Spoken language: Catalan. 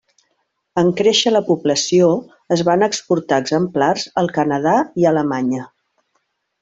En créixer la població, es van exportar exemplars al Canadà i a Alemanya.